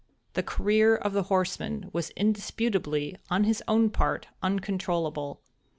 The career of the horseman was indisputably, on his own part, uncontrollable.